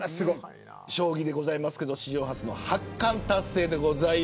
将棋でございますけど史上初の八冠達成です。